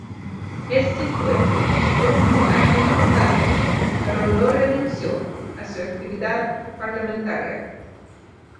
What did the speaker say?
Éste fue su último acto importante, pero no renunció a su actividad parlamentaria.